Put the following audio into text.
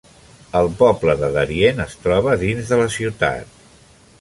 El poble de Darien es troba dins de la ciutat.